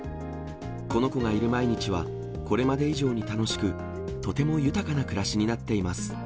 この子がいる毎日は、これまで以上に楽しく、とても豊かな暮らしになっています。